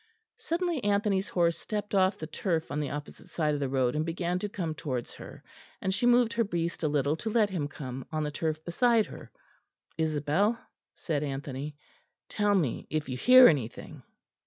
Suddenly Anthony's horse stepped off the turf on the opposite side of the road and began to come towards her, and she moved her beast a little to let him come on the turf beside her. "Isabel," said Anthony, "tell me if you hear anything."